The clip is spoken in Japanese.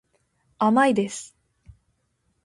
甘いです。